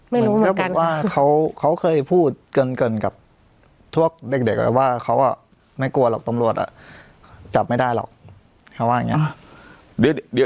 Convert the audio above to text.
ไม่รู้เหมือนกันว่าเขาเขาเคยพูดเกินเกินกับทั่วเด็กเด็กเลยว่าเขาอ่ะไม่กลัวหรอกตำรวจอ่ะจับไม่ได้หรอกเขาว่าอย่างงี้